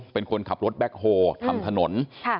เป็นคนขับรถแบ็คโฮลทำถนน